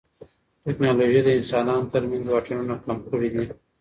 ټیکنالوژي د انسانانو ترمنځ واټنونه کم کړي دي.